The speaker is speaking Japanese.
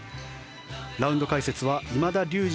ラウンド解説は今田竜二